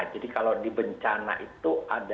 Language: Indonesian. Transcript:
jadi kalau di bencana itu ada